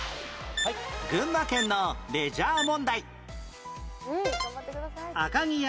群馬県のレジャー問題